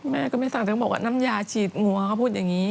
แม่ก็ไม่สั่งถึงบอกว่าน้ำยาฉีดงัวเขาพูดอย่างนี้